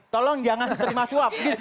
tolong jangan terima suap